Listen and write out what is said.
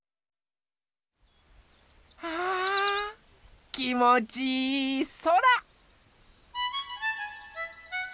あきもちいいそら！